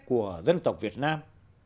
của dân tộc việt nam